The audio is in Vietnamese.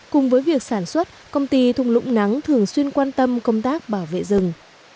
cùng với việc sản xuất công ty thùng lũng nắng thường xuyên quan tâm công tác bảo vệ rừng